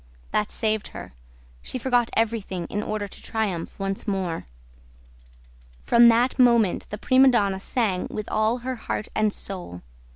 That saved her. She forgot everything, in order to triumph once more. From that moment the prima donna sang with all her heart and soul.